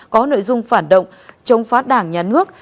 có nội dung phản động chống phá đảng nhà nước